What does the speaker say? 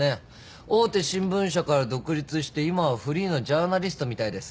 大手新聞社から独立して今はフリーのジャーナリストみたいです。